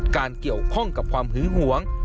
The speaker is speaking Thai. การเกี่ยวข้องกับความหึงหวง